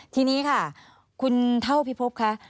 ทีนี้ค่ะคุณเท่าพิพบค่ะ